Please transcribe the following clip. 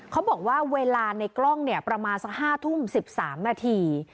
เขาบอกว่าเวลาในกล้องเนี่ยประมาณสัก๕ทุ่ม๑๓นาที